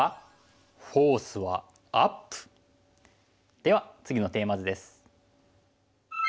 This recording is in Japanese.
では次のテーマ図です。